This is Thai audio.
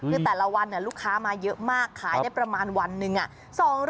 คือแต่ละวันลูกค้ามาเยอะมากขายได้ประมาณวันหนึ่ง